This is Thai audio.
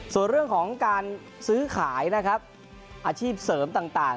ส่วนเรื่องของการซื้อขายนะครับอาชีพเสริมต่าง